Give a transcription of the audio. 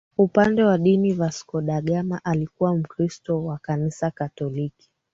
Upande wa diniVasco da Gama alikuwa Mkristo wa Kanisa Katoliki